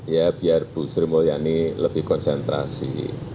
ya biar bu sri mulyani lebih konsentrasi